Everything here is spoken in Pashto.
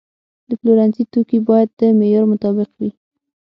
د پلورنځي توکي باید د معیار مطابق وي.